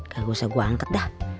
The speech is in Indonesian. gak usah gue angkat dah